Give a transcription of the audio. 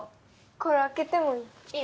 これ開けてもいい？